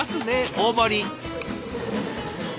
大盛り。